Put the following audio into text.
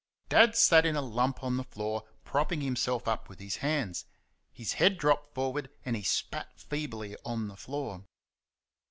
Dad sat in a lump on the floor propping himself up with his hands; his head dropped forward, and he spat feebly on the floor.